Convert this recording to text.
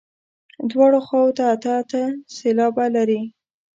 دواړو خواوو ته اته اته سېلابه لري.